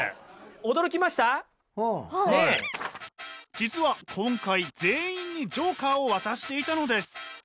実は今回全員にジョーカーを渡していたのです。